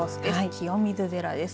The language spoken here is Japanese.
清水寺です。